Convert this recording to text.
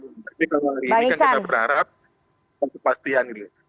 tapi kalau hari ini kan kita berharap pasti pasti yang ini